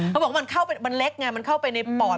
เขาบอกว่ามันเล็กไงมันเข้าไปในปอด